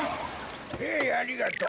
へいありがとう。